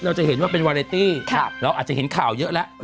เราจะเห็นว่าเป็นวาเรตี้เราอาจจะเห็นข่าวเยอะแล้ว